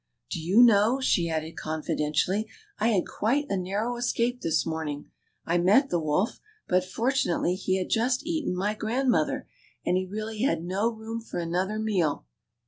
Do you know," she added confidentially, I had quite a narrow escape this morning. I met the Avolf, but fortunately he had just eaten my grandmother, and he really had no room for another meal.